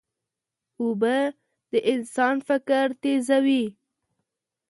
اوبه د انسان فکر تیزوي.